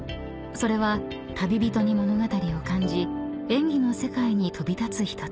［それは旅人に物語を感じ演技の世界に飛び立つひととき］